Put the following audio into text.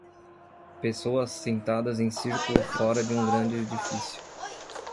Pessoas sentadas em círculo fora de um grande edifício.